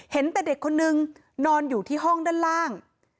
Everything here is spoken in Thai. เห็นแต่เด็กคนนึงนอนอยู่ที่ห้องด้านล่าง